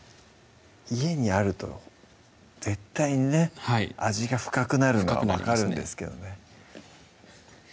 家にあると絶対にね味が深くなるのは分かるんですけどね